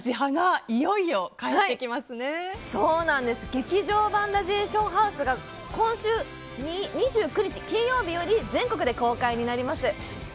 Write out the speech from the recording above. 「劇場版ラジエーションハウス」が今週２９日、金曜日より全国で公開になります。